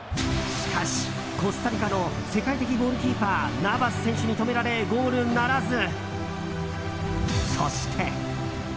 しかし、コスタリカの世界的ゴールキーパーナヴァス選手に止められゴールならず。